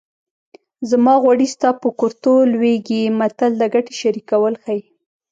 زما غوړي ستا په کورتو لوېږي متل د ګټې شریکول ښيي